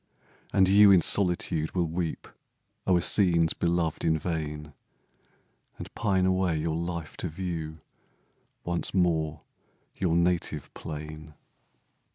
And you in solitude will weep O'er scenes beloved in vain, And pine away your life to view Once more your native plain.